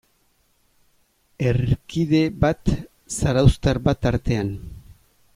Herrikide bat, zarauztar bat tartean.